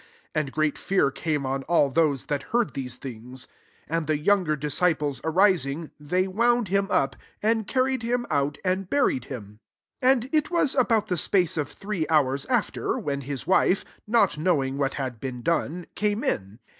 And great fear came on all those that heard [jtkett thinga,'] 6 and die younger dis^ ctples arising, they wound him' up, and carried him out, and buried him, 7 And it was about the spacq of three hours after, when hi> wife, not knowing what ba4 been done, came in.